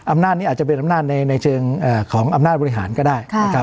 อำนาจนี้อาจจะเป็นอำนาจในเชิงของอำนาจบริหารก็ได้นะครับ